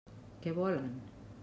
Què volen?